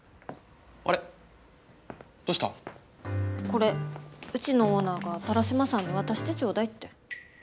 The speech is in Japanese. これうちのオーナーが田良島さんに渡してちょうだいって。